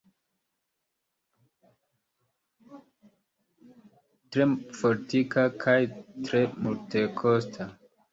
Tre fortika kaj tre multekosta.